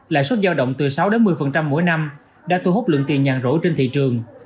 lại suất giao động từ sáu một mươi mỗi năm đã thu hút lượng tiền nhàn rỗi trên thị trường